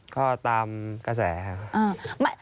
ก็ตามกระแสครับ